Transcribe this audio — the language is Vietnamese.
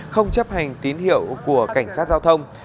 không chấp hành tín hiệu của cảnh sát giao thông